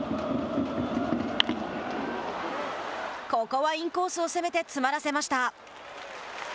ここはインコースを攻めて詰まらせました。